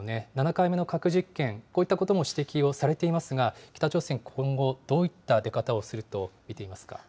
７回目の核実験、こういったことも指摘をされていますが、北朝鮮、今後、どういった出方をすると見ていますか。